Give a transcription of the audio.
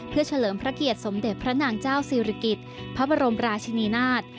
เพื่อเฉลิมพระเกียรติสมเด็จพระนางเจ้าศิริกิจพระบรมราชินีนาฏ